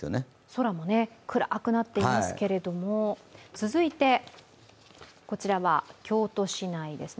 空も暗くなっていますけれども、続いてこちらは京都市内です。